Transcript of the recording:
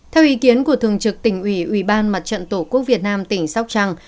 theo ý kiến của thường trực tỉnh ủy ủy ban mặt trận tổ quốc việt nam tỉnh sóc trăng